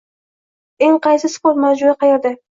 Eng yaqin sport majmui qayerda?